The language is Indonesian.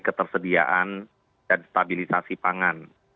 ketersediaan dan stabilisasi pangan